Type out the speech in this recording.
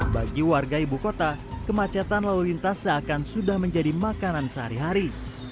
bagi warga ibu kota kemacetan lalu lintas seakan sudah menjadi makanan sehari hari